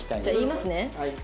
じゃあ言いますね。